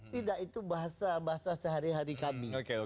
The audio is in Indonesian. tidak itu bahasa bahasa sehari hari kami